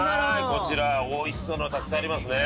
こちら美味しそうなのたくさんありますね。